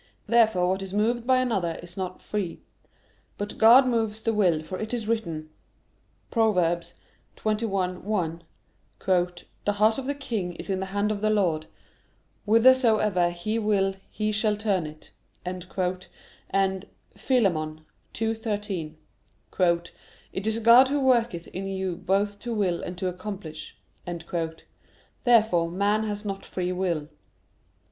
Therefore what is moved by another is not free. But God moves the will, for it is written (Prov. 21:1): "The heart of the king is in the hand of the Lord; whithersoever He will He shall turn it" and (Phil. 2:13): "It is God Who worketh in you both to will and to accomplish." Therefore man has not free will.